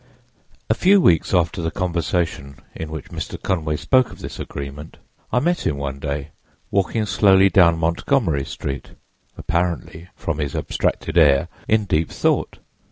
"A few weeks after the conversation in which Mr. Conway spoke of this agreement, I met him one day, walking slowly down Montgomery street, apparently, from his abstracted air, in deep thought.